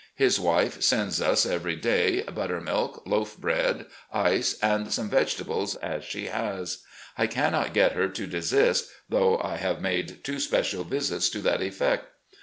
His wife sends us, every day, buttermilk, loaf bread, ice, and such vegetables as she has. I cannot get no RECOLLECTIONS OP GENERAL LEE her to desist, though I have made two special visits to that effect.